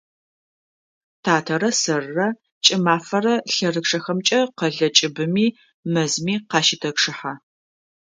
Татэрэ сэрырэ кӀымафэрэ лъэрычъэхэмкӀэ къэлэ кӀыбыми, мэзми къащытэчъыхьэ.